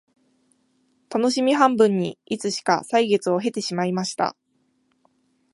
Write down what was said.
たのしみ半分にいつしか歳月を経てしまいました